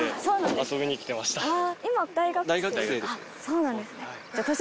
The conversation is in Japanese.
そうなんですね。